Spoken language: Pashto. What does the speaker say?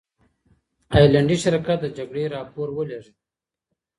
هالندي شرکت د جګړې راپور ولیږه.